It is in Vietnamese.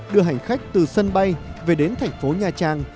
đưa hành khách từ sân bay về đến thành phố nha trang